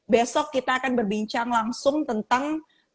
besok kita akan berbincang langsung tentang